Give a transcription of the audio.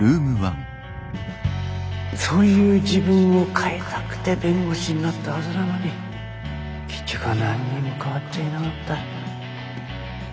そういう自分を変えたくて弁護士になったはずなのに結局は何にも変わっちゃいなかった。